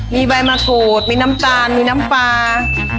มีใบหมะถูดมีน้ำปลามีน้ำตาล